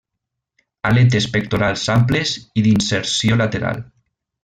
Aletes pectorals amples i d'inserció lateral.